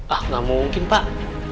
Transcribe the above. ah gak mungkin pak